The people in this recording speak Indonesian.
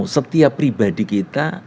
setiap pribadi kita